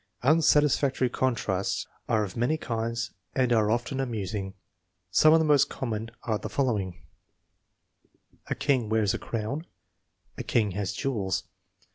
Unsatisfactory contrasts are of many kinds and are often amusing. Some of the most common are the following: "A king wears a crown." "A king has jewels."